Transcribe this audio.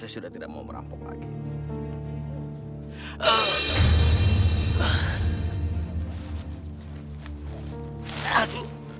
saya sudah tidak mau merampok lagi